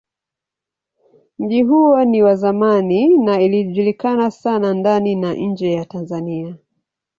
Mji huo ni wa zamani na ilijulikana sana ndani na nje ya Tanzania.